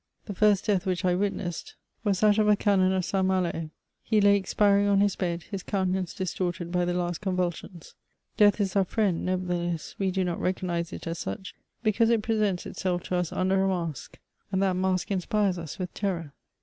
The first death which I witnessed was that of a 102 MEMOIRS OF canon of St. Malo. He lay expiring on his bed, his counte nance distorted by the last conyulsions. Death is oar friend, nevertheless we db not recognise it as such, because it presents itself to us under a mask, and that mask inspires us with terror.